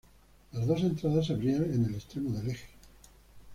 Las dos entradas se abrían en el extremo del eje.